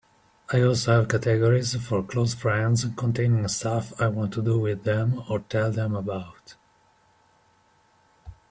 I also have categories for close friends containing stuff I want to do with them or tell them about.